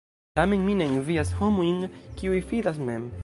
Tamen mi ne envias homojn, kiuj fidas mem.